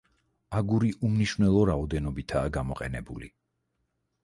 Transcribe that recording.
აგური უმნიშვნელო რაოდენობითაა გამოყენებული.